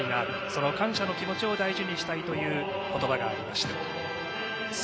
その感謝の気持ちを大事にしたいという言葉がありました。